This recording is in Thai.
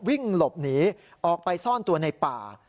วิ่งหลบหนีออกไปซ่อนตัวในป่า